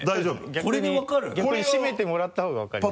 逆に閉めてもらった方が分かります。